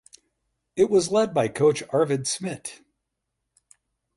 It was led by coach Arvid Smit.